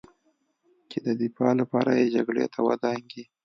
چې د دفاع لپاره یې جګړې ته ودانګي